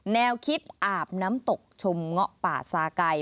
แนวคิดอาบน้ำตกชมเงาะป่าซาไก่